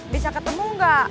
bisa ketemu enggak